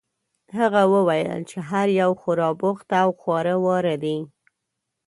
هغه وویل چې هر یو خورا بوخت او خواره واره دي.